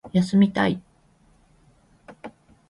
休みたい